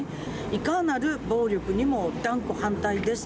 いかなる暴力にも断固反対です。